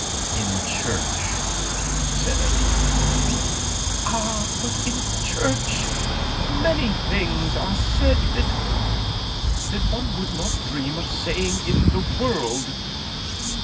"In church," said Aline. "Ah, but in church many things are said that... that one would not dream of saying in the world.